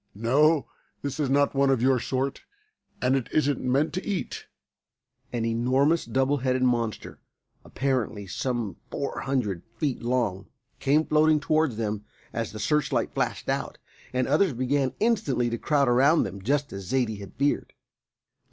No, this is not one of your sort, and it isn't meant to eat." An enormous double headed monster, apparently some four hundred feet long, came floating towards them as the searchlight flashed out, and others began instantly to crowd about them, just as Zaidie had feared.